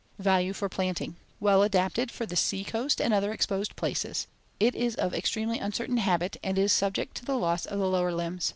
Value for planting: Well adapted for the sea coast and other exposed places. It is of extremely uncertain habit and is subject to the loss of the lower limbs.